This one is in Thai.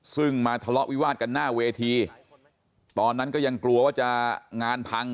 ซึ่งมาทะเลาะวิวาดกันหน้าเวทีตอนนั้นก็ยังกลัวว่าจะงานพัง